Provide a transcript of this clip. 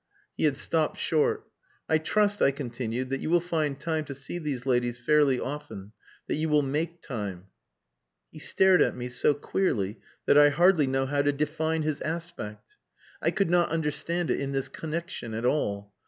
He had stopped short. "I trust," I continued, "that you will find time to see these ladies fairly often that you will make time." He stared at me so queerly that I hardly know how to define his aspect. I could not understand it in this connexion at all.